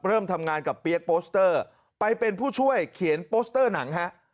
เริ่มทำงานกับเปี๊ยกโปสเตอร์ไปเป็นผู้ช่วยเขียนโปสเตอร์หนังฮะ